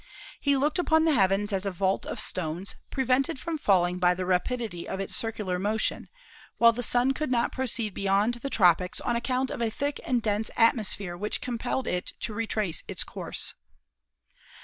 He looked upon the heavens as a vault of stones, prevented from falling by the rapidity of its circular motion, while the Sun could not proceed be yond the tropics On account of a thick and dense atmos phere which compelled it to retrace its course.